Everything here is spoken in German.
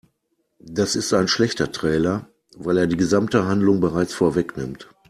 Das ist ein schlechter Trailer, weil er die gesamte Handlung bereits vorwegnimmt.